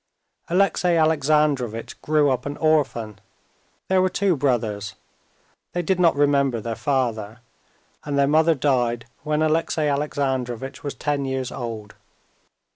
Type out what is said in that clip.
Alexey Alexandrovitch grew up an orphan. There were two brothers. They did not remember their father, and their mother died when Alexey Alexandrovitch was ten years old.